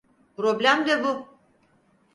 Problem de bu.